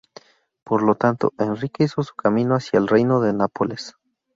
Por lo tanto, Enrique hizo su camino hacia el Reino de Nápoles.